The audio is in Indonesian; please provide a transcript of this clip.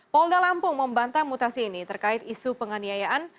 polda lampung membantah mutasi ini terkait isu penganiayaan